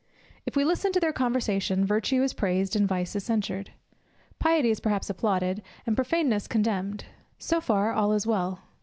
If we listen to their conversation, virtue is praised, and vice is censured; piety is perhaps applauded, and profaneness condemned. So far all is well.